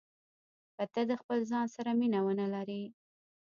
که ته د خپل ځان سره مینه ونه لرې.